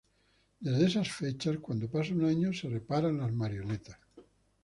Desde esas fechas, cuando pasa un año, se reparan las marionetas.